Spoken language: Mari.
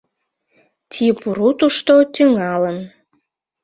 Тьи-Пурутышто тӱҥалын.